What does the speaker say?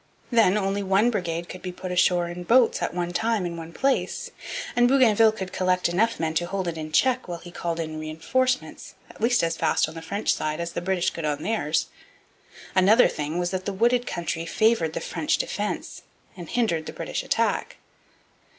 Then, only one brigade could be put ashore in boats at one time in one place, and Bougainville could collect enough men to hold it in check while he called in reinforcements at least as fast on the French side as the British could on theirs. Another thing was that the wooded country favoured the French defence and hindered the British attack.